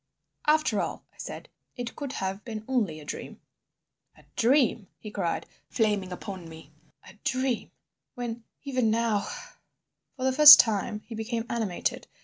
"After all," I said, "it could have been only a dream." "A dream!" he cried, flaming upon me, "a dream—when, even now—" For the first time he became animated.